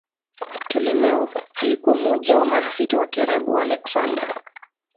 Ptolemaio alikuwa mmoja wa marafiki wa karibu wa Aleksander.